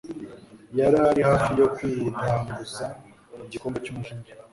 Yari ari hafi yo kwiranguza igikombe cy'umujinya;